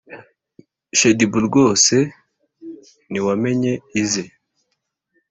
shaddyBoo rwose ntiwamenya ize